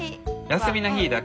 休みの日だけ。